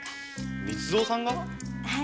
光蔵さんが！？はぃ。